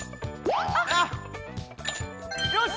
よし！